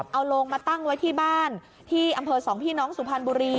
เอาโลงมาตั้งไว้ที่บ้านที่อำเภอสองพี่น้องสุพรรณบุรี